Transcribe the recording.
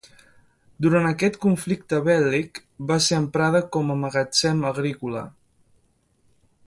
Durant aquest conflicte bèl·lic, va ser emprada com a magatzem agrícola.